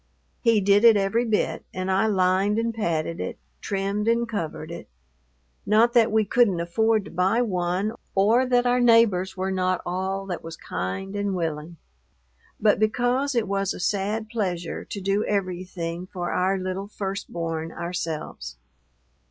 He did it every bit, and I lined and padded it, trimmed and covered it. Not that we couldn't afford to buy one or that our neighbors were not all that was kind and willing; but because it was a sad pleasure to do everything for our little first born ourselves.